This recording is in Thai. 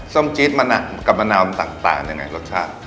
ส้มจี๊ดมันกับมะนาวมันต่างยังไงรสชาติ